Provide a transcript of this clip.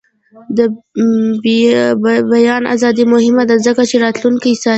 د بیان ازادي مهمه ده ځکه چې راتلونکی ساتي.